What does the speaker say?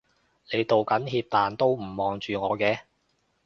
你道緊歉但都唔望住我嘅